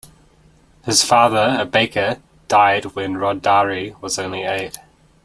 His father, a baker, died when Rodari was only eight.